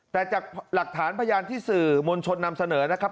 แต่จากหลักฐานพยานที่สื่อมวลชนนำเสนอนะครับ